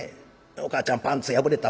「おかあちゃんパンツ破れた」。